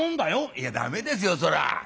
「いや駄目ですよそれは」。